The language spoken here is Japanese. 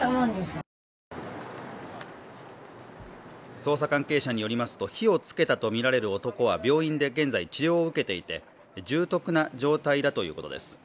捜査関係者によりますと火をつけたとみられる男は病院で現在、治療を受けていて重篤な状態だということです。